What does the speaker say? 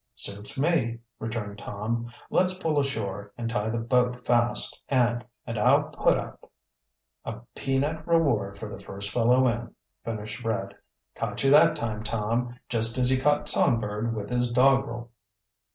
"Suits me," returned Tom. "Let's pull ashore and tie the boat fast, and I'll put up " "A peanut reward for the first fellow in," finished Fred. "Caught you that time, Tom, just as you caught Songbird with his doggerel."